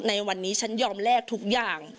ในวันนี้ฉันยอมแลกทุกอย่าง